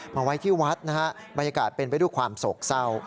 มาไว้ที่วัดนะฮะบรรยากาศเป็นไปด้วยความโศกเศร้า